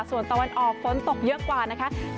ส่วนตะวันออกฝนตกเยอะกว่านะคะ